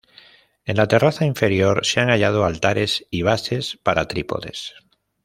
En la terraza inferior se han hallado altares y bases para trípodes.